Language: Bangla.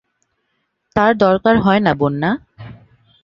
তার দরকার হয় না বন্যা।